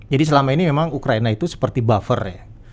jadi selama ini memang ukraina itu seperti buffer ya